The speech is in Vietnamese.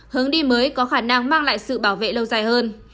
hướng đi mới có khả năng mang lại sự bảo vệ lâu dài hơn